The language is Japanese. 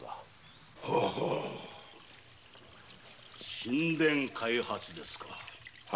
新田開発ですか？